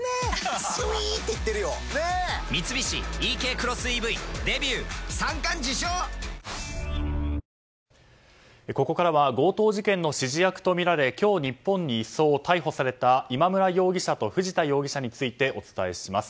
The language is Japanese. コリャここからは強盗事件の指示役とみられ今日、日本に移送・逮捕された今村容疑者と藤田容疑者についてお伝えします。